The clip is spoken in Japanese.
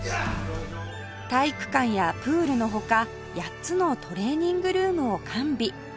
体育館やプールの他８つのトレーニングルームを完備